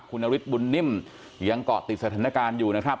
คุณนฤทธิบุญนิ่มยังเกาะติดสถานการณ์อยู่นะครับ